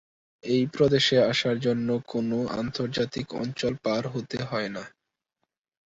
এই প্রদেশে আসার জন্য কোন আন্তর্জাতিক অঞ্চল পার হতে হয়না।